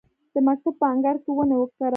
د مکتب په انګړ کې ونې وکرم؟